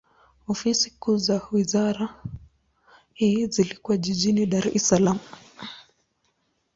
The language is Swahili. Ofisi kuu za wizara hii zilikuwa jijini Dar es Salaam.